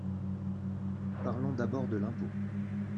Parlons d’abord de l’impôt.